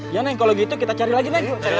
iya neng kalau gitu kita cari lagi neng